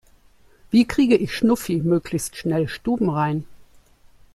Wie kriege ich Schnuffi möglichst schnell stubenrein?